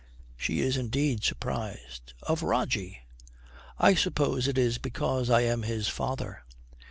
She is indeed surprised. 'Of Rogie!' 'I suppose it is because I am his father.'